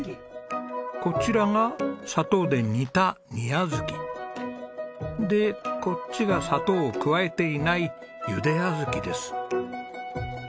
こちらが砂糖で煮た煮小豆。でこっちが砂糖を加えていないゆで小豆です。